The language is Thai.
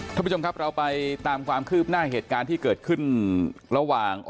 ท่านผู้ชมครับเราไปตามความคืบหน้าเหตุการณ์ที่เกิดขึ้นระหว่าง